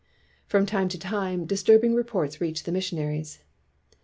From time to time disturbing reports reached the missionaries.